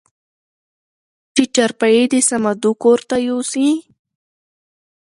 چې چارپايي د صمدو کورته يوسې؟